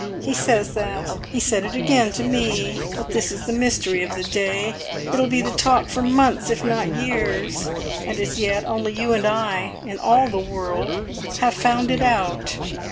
He says that; he said it again to me; but this is the mystery of the day. It'll be the talk for months, if not years. And as yet only you and I, in all the world, have found it out!"